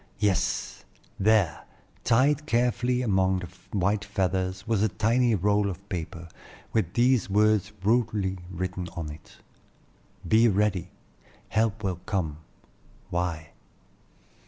Yes! there, tied carefully among the white feathers, was a tiny roll of paper, with these words rudely written on it: "Be ready; help will come. Y."